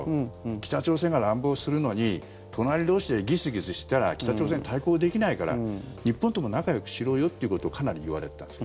北朝鮮が乱暴するのに隣同士でギスギスしてたら北朝鮮に対抗できないから日本とも仲よくしろよということをかなりいわれてたんです。